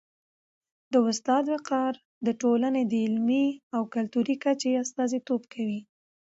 د استاد وقار د ټولني د علمي او کلتوري کچي استازیتوب کوي.